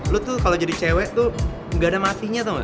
lu tuh kalau jadi cewek tuh gak ada matinya tuh